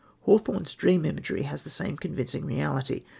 Hawthorne's dream imagery has the same convincing reality.